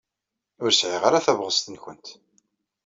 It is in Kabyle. Ur sɛiɣ ara tabɣest-nwent.